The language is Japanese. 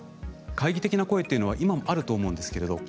懐疑的な声というのは今もあると思うんですけれど。